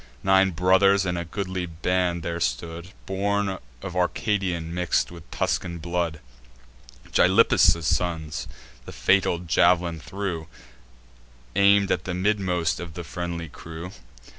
Nine brothers in a goodly band there stood, Born of Arcadian mix'd with Tuscan blood, Gylippus' sons: the fatal jav'lin flew, Aim'd at the midmost of the friendly crew.